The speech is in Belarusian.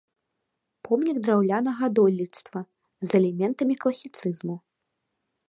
Помнік драўлянага дойлідства з элементамі класіцызму.